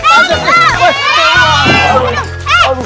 kenapa an sih kalian ya